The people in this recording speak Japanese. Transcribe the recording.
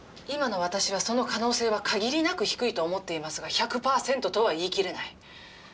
今の私はその可能性は限りなく低いと思っていますが１００％とは言い切れない。